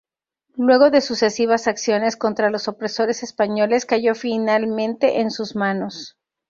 Luego de sucesivas acciones contra los opresores españoles cayó finalmente en su manos.